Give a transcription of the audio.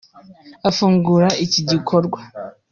afungura iki gikorwa